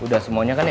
udah semuanya kan ya